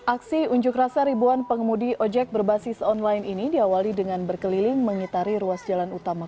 aksi unjuk rasa ribuan pengemudi ojek berbasis online ini diawali dengan berkeliling mengitari ruas jalan utama